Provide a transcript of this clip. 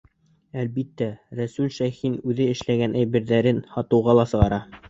Әлбиттә, Рәсүл Шәйхин үҙе эшләгән әйберҙәрен һатыуға ла сығара.